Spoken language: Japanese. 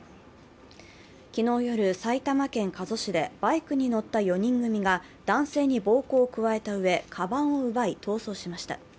昨日夜、埼玉県加須市でバイクに乗った４人組が男性に暴行を加えたうえ、かばんを奪い逃走しました。